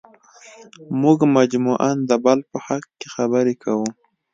موږ مجموعاً د بل په حق کې خبرې کوو.